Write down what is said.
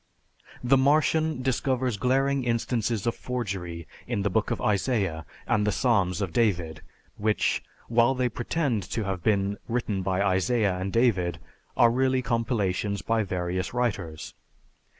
The Martian discovers glaring instances of forgery in the book of Isaiah and the Psalms of David, which, while they pretend to have been written by Isaiah and David, are really compilations by various writers.